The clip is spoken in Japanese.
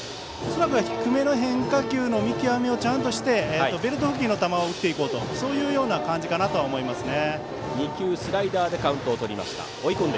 恐らくは低めの変化球の見極めをちゃんとして、ベルト付近の球を打っていこうという感じかなと思いますね。